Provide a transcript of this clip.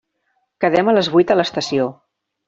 Quedem a les vuit a l'estació.